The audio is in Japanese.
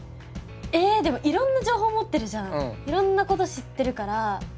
えでもいろんな情報持ってるじゃん。